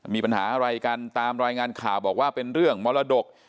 มีปัญหาอะไรกันตามรายงานข่าวบอกว่าเป็นเรื่องมรดก